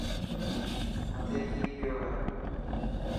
مٿي ڪي پيو هي.